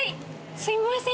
すみません。